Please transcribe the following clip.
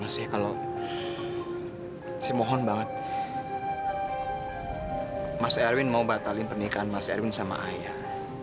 saya batalin pernikahan mas erwin sama ayah